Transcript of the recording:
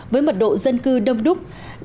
với mật độ dân cư đông đúc